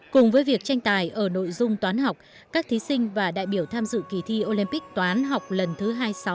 cùng với việc tranh tài ở nội dung toán học các thí sinh và đại biểu tham dự kỳ thi olympic toán học lần thứ hai mươi sáu